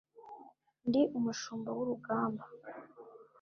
Ndi umushumba w’ urugamba